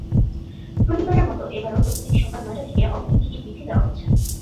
প্রতিবারের মতো এবারও প্রতিদিন সকাল নয়টা থেকে অগ্রিম টিকিট বিক্রি দেওয়া হচ্ছে।